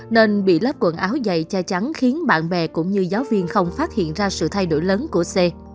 nên bị lắp quần áo dày cha trắng khiến bạn bè cũng như giáo viên không phát hiện ra sự thay đổi lớn của c